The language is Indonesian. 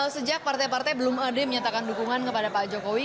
sejak partai partai belum ada yang menyatakan dukungan kepada pak jokowi